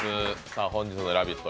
本日の「ラヴィット！」